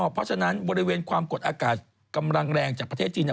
เพราะฉะนั้นบริเวณความกดอากาศกำลังแรงจากประเทศจีนเนี่ย